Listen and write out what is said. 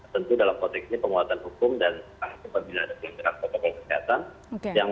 tentu dalam konteks ini penguatan hukum dan kesehatan